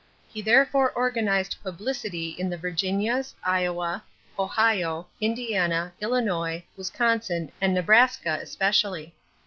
He therefore organized publicity in the Virginias, Iowa, Ohio, Indiana, Illinois, Wisconsin, and Nebraska especially.